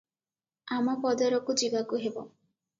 ଆମପଦରକୁ ଯିବାକୁ ହେବ ।